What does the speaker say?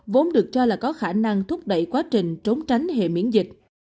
vốn được cho là có khả năng thúc đẩy quá trình trốn tránh hệ miễn dịch